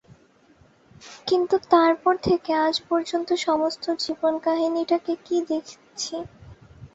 কিন্তু তার পর থেকে আজ পর্যন্ত সমস্ত জীবনকাহিনীটাকে কী দেখছি?